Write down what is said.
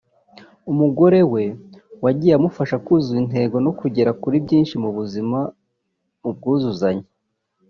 umugore we wagiye amufasha kuzuza intego no kugera kuri byinshi mu buzima mu bwizuzanye